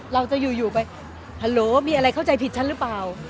เราจะอยู่ไปฮัลโหลมีอะไรเข้าใจผิดฉันหรือเปล่า